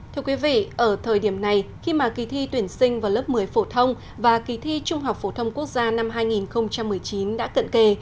thưa quý vị ở thời điểm này khi mà kỳ thi tuyển sinh vào lớp một mươi phổ thông và kỳ thi trung học phổ thông quốc gia năm hai nghìn một mươi chín đã cận kề